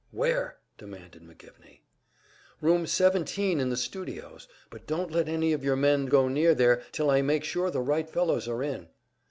"Where?" demanded McGivney. "Room seventeen in the studios; but don't let any of your men go near there, till I make sure the right fellows are in."